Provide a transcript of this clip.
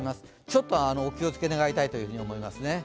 ちょっとお気をつけ願いたいと思います。